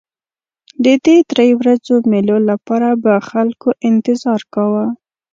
د دې درې ورځو مېلو لپاره به خلکو انتظار کاوه.